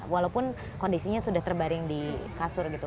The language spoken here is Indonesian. walaupun kondisinya sudah terbaring di kasur gitu